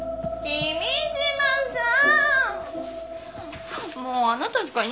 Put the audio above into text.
君島さん。